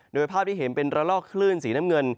โดยภาพที่เห็นเป็นระลอกคลื่นสีน้ำเงิน